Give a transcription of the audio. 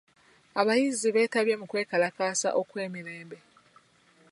Abayizi beetabye mu kwekalakaasa okw'emirembe.